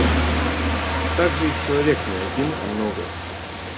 Так-же и человек не один, а много.